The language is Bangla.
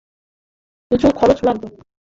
কিছু খরচ লাগবে।